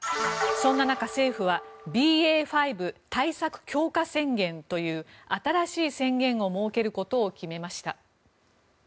そんな中、政府はＢＡ．５対策強化宣言という新しい宣言を設けることを決めました。